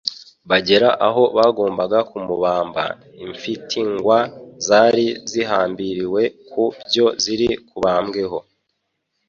Bagera aho bagomba kumubamba, imfitngwa zari zihambiriwe ku byo ziri bubambweho.